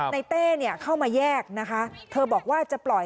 เต้เนี่ยเข้ามาแยกนะคะเธอบอกว่าจะปล่อย